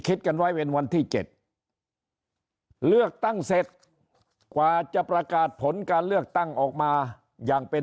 คิดกันไว้เป็นวันที่๗เลือกตั้งเสร็จกว่าจะประกาศผลการเลือกตั้งออกมาอย่างเป็น